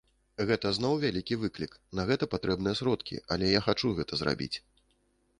Гэта зноў вялікі выклік, на гэта патрэбныя сродкі, але я хачу гэта зрабіць.